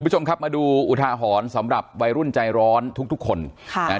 คุณผู้ชมครับมาดูอุทาหรณ์สำหรับวัยรุ่นใจร้อนทุกทุกคนค่ะนะฮะ